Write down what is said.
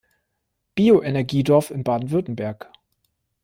Bioenergiedorf in Baden-Württemberg.